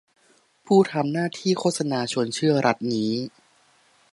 ผู้ทำหน้าที่โฆษณาชวนเชื่อรัฐนี้